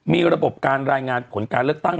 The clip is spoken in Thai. มีระบบรายงานการเลือกตั้ง